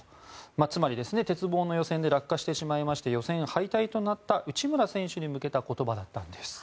つまり鉄棒の予選で落下してしまいまして予選敗退となった内村選手に向けた言葉だったんです。